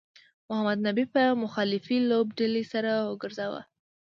محمد نبي په مخالفې لوبډلې سر وګرځاوه